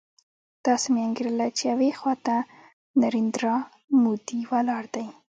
داسې مې انګېرله چې يوې خوا ته نریندرا مودي ولاړ دی.